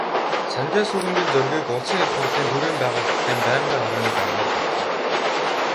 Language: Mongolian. Санжаасүрэнгийн Зоригийг Улсын Их Хурлын төрийн байгуулалтын байнгын хорооны даргаар батлав.